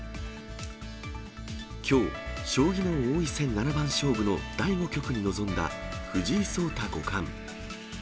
きょう、将棋の王位戦七番勝負の第５局に臨んだ、藤井聡太五冠。